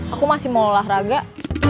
aku masih mau olahraga aku mau curhat